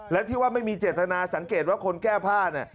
และที่ว่าไม่มีเจตนาสังเกตว่าคนแก้ผ้าเนี่ย